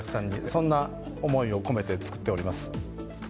そんな思いを込めて作っております。